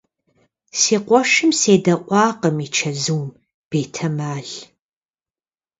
Си къуэшым седэӀуакъым и чэзум, бетэмал.